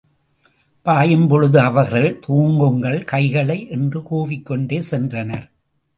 பாயும்பொழுது அவர்கள் தூக்குங்கள் கைகளை என்று கூவிக்கொண்டே சென்றனர்.